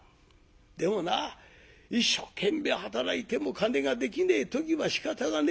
でもな一生懸命働いても金ができねえ時はしかたがねえ。